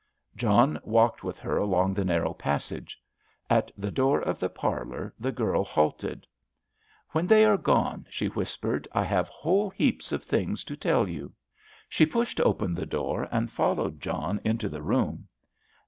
John walked with her along the narrow passage. At the door of the parlour the girl halted. "When they are gone," she whispered, "I have whole heaps of things to tell you." She pushed open the door and followed John into the room.